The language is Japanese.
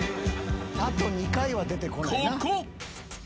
あと２回は出てこないな。